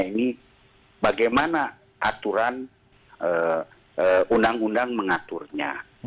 ini bagaimana aturan undang undang mengaturnya